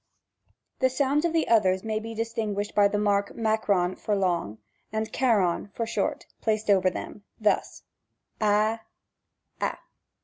The sounds of the others may be distin guished by the mark () for long, and () for short, placed over them ; thus, a, a.